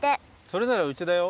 それならうちだよ！